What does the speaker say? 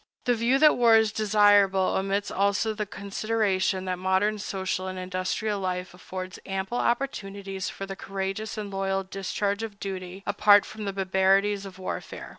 The view that war is desirable omits also the consideration that modern social and industrial life affords ample opportunities for the courageous and loyal discharge of duty, apart from the barbarities of warfare.